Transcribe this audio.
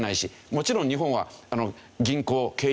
もちろん日本は銀行経営状態